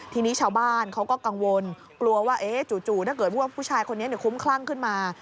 ทีนี้ชาวบ้านเขาก็กังวลกลัวว่าจู่ถ้าเกิดว่าผู้ชายคนนี้คุ้มคลั่งขึ้นมา